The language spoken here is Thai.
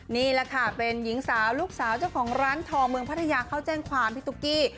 นี่แหละค่ะเป็นหญิงสาวลูกสาวเจ้าของร้านทองเมืองพัทยาเข้าแจ้งความพี่ตุ๊กกี้